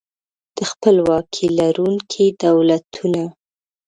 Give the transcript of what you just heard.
د خپلواکۍ لرونکي دولتونه